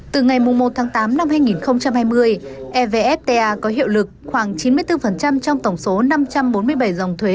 từ ngày một tháng tám năm hai nghìn hai mươi evfta có hiệu lực khoảng chín mươi bốn trong tổng số năm trăm bốn mươi bảy dòng thuế